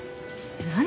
何？